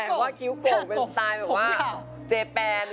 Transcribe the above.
แต่ว่าคิ้วโก่งเป็นสไตล์แบบว่าเจแปน